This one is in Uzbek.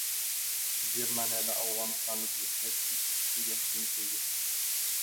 Germaniyada afg‘onistonlik erkak ikki kishiga hujum qildi